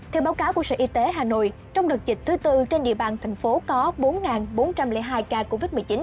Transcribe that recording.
theo báo cáo của sở y tế hà nội trong đợt dịch thứ tư trên địa bàn thành phố có bốn bốn trăm linh hai ca covid một mươi chín